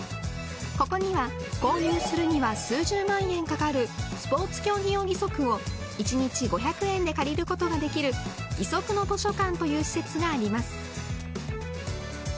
ここには数十万円かかるスポーツ競技用義足を一日５００円で借りることができるギソクの図書館という施設があります。